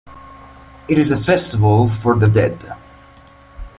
It is a festival for the dead.